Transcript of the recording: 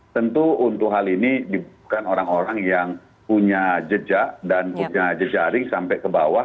tentu untuk hal ini bukan orang orang yang punya jejak dan punya jejaring sampai ke bawah